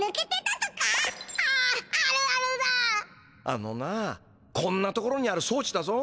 あのなこんな所にあるそうちだぞ。